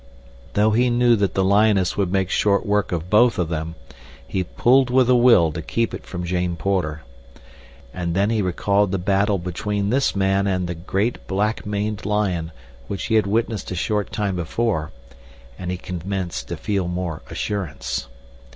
Though he knew that the lioness would make short work of both of them, he pulled with a will to keep it from Jane Porter. And then he recalled the battle between this man and the great, black maned lion which he had witnessed a short time before, and he commenced to feel more assurance.